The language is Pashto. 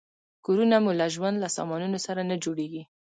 کورونه مو له ژوند له سامانونو سره نه جوړیږي.